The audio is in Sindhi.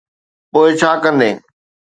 پوءِ ڇا ڪندين؟